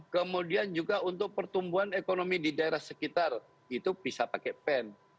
kemudian juga untuk pertumbuhan ekonomi di daerah sekitar itu bisa pakai pen